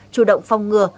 chủ động phong ngừa